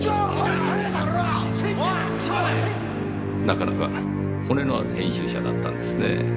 なかなか骨のある編集者だったんですねぇ。